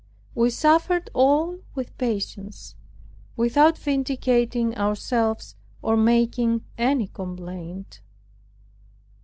We suffered all with patience, without vindicating ourselves, or making any complaint.